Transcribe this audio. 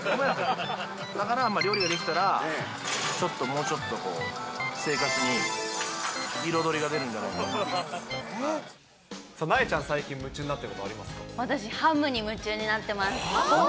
だから料理ができたら、ちょっと、もうちょっと生活に彩りが出るんさあ、なえちゃん、最近夢中私、ハムに夢中になってます。